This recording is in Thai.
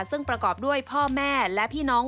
ซึ่งประกอบด้วยพ่อแม่และพี่น้อง